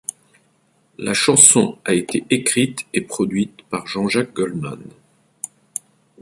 La chanson a été écrite et produite par Jean-Jacques Goldman.